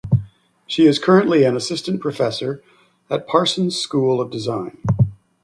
She is currently an assistant professor at Parsons School of Design.